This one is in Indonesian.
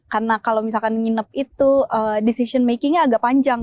karena kalau misalkan menginap itu decision makingnya agak panjang